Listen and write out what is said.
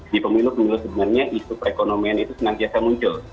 di pemilu pemilu sebenarnya isu perekonomian itu senantiasa muncul